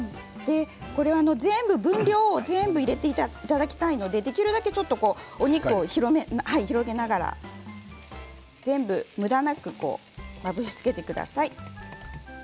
これは全部分量を入れていただきたいのでできるだけお肉を広げながらむだなく、まぶしつけてください。